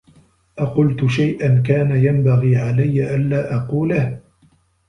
أقلت شيئا كان ينبغي علي أن لا أقوله؟